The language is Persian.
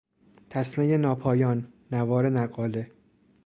تسمهی ناپایان، نوار نقاله